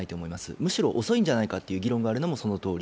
むしろ遅いんじゃないかという議論があるのもそのとおり。